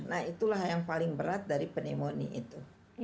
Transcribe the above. nah itulah yang paling berat dari pneumonia itu